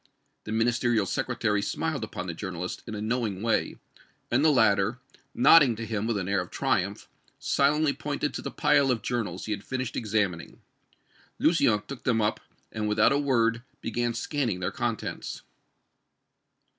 The Ministerial Secretary smiled upon the journalist in a knowing way, and the latter, nodding to him with an air of triumph, silently pointed to the pile of journals he had finished examining. Lucien took them up, and without a word began scanning their contents.